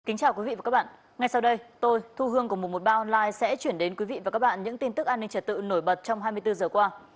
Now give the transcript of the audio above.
kính chào quý vị và các bạn ngay sau đây tôi thu hương của một trăm một mươi ba online sẽ chuyển đến quý vị và các bạn những tin tức an ninh trật tự nổi bật trong hai mươi bốn giờ qua